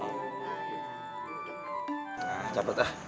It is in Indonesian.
nah cepet lah